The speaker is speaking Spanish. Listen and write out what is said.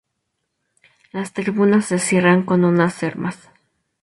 Las tribunas se cierran con unas hermas.